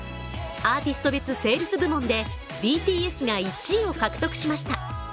アーティスト別セールス部門でＢＴＳが１位を獲得しました。